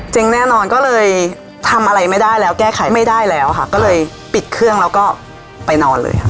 แน่นอนก็เลยทำอะไรไม่ได้แล้วแก้ไขไม่ได้แล้วค่ะก็เลยปิดเครื่องแล้วก็ไปนอนเลยค่ะ